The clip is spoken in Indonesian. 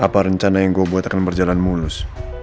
apa rencana yang gue buat akan berjalan mulus